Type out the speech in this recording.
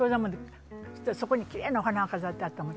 そこにきれいなお花が飾ってあったの。